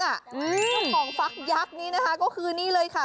เจ้าของฟักยักษ์นี้นะคะก็คือนี่เลยค่ะ